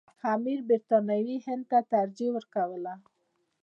امیر برټانوي هند ته ترجیح ورکوله.